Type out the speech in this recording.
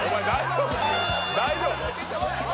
大丈夫。